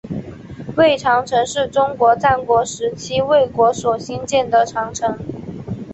魏长城是中国战国时期魏国所兴建的长城。